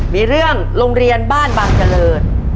มีเรื่องโรงเรียนบ้านบางเจริญ